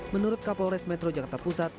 menurut kapolres metro jakarta pusat